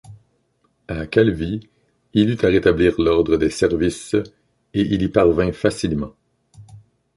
A Calvi, il eut à rétablir l’ordre des services, et il y parvint facilement.